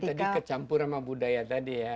nah ini tadi kecampur sama budaya tadi ya